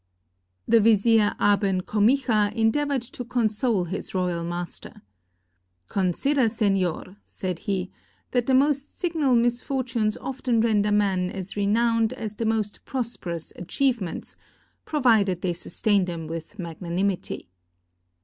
The vizier Aben Comixa endeavored to console his royal master. "Consider, senor," said he, "that the most signal misfortunes often render men as renowned as the most prosperous achievements, provided they sustain them with magnanimity."